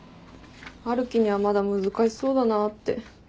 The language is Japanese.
春樹にはまだ難しそうだなって。